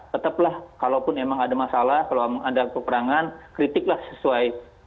tetaplah kalaupun emang ada masalah kalau ada keperangan kritiklah sesuai